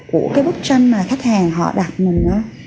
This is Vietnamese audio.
của cái bức tranh mà khách hàng họ đặt mình